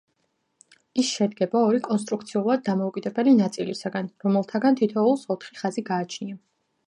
ის შედგება ორი კონსტრუქციულად დამოუკიდებელი ნაწილისაგან, რომელთაგან თითოეულს ოთხი ხაზი გააჩნია.